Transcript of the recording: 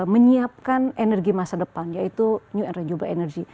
menyiapkan energi masa depan yaitu new energy